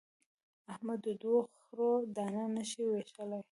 احمد د دوو خرو دانه نه شي وېشلای.